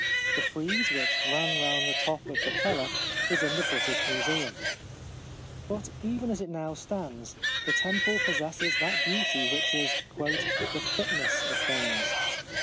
The frieze, which ran round the top of the cella, is in the British Museum. But even as it now stands, the temple possesses that beauty which is "the fitness of things."